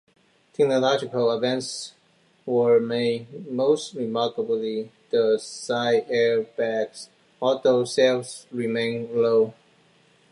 Technological advances were made, most remarkably the side airbags, although sales remained low.